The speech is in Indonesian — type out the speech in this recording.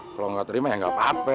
kalau nggak terima ya nggak apa apa